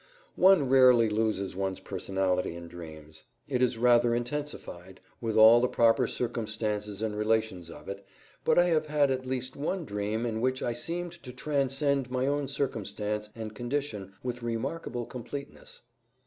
VI One rarely loses one's personality in dreams; it is rather intensified, with all the proper circumstances and relations of it, but I have had at least one dream in which I seemed to transcend my own circumstance and condition with remarkable completeness.